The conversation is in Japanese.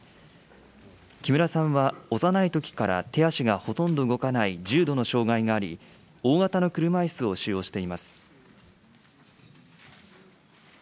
木村さんは幼いときから手足がほとんど動かない重度の障害があり、大型の車いすを使用しています。